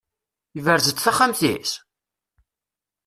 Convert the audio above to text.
Yebrez-d taxxamt-is?